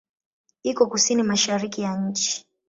Iko kusini-mashariki ya nchi.